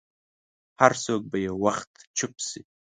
هر څوک به یو وخت چوپ شي.